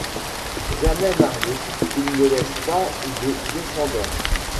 Jamais marié, il ne laisse pas de descendance.